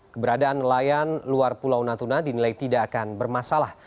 keberadaan nelayan luar pulau natuna dinilai tidak akan bermasalah